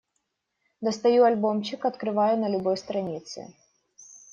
Достаю альбомчик, открываю — на любой странице.